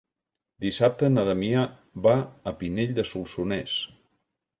Dissabte na Damià va a Pinell de Solsonès.